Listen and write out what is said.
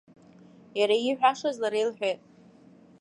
Иара ииҳәашаз лара илҳәеит.